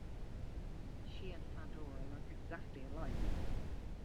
She and Pandora look exactly alike.